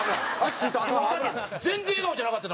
全然笑顔じゃなかった。